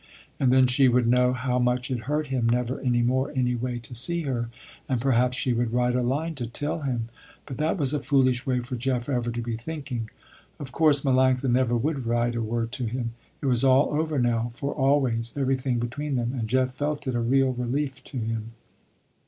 And then she would know how much it hurt him never any more, any way, to see her, and perhaps she would write a line to tell him. But that was a foolish way for Jeff ever to be thinking. Of course Melanctha never would write a word to him. It was all over now for always, everything between them, and Jeff felt it a real relief to him.